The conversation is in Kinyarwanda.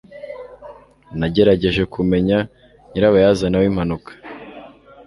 nagerageje kumenya nyirabayazana w'impanuka